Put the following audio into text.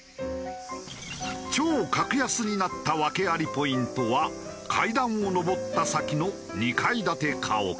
超格安になった訳ありポイントは階段を上った先の２階建て家屋。